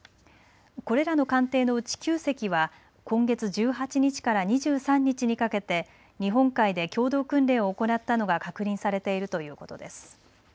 これらの艦艇のうち９隻は今月１８日から２３日にかけて日本海で共同訓練を行ったのが確認されているということです。